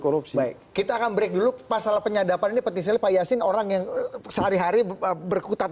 opsi kita akan break dulu pasal penyadapan ini petisir pak yasin orang yang sehari hari berkutat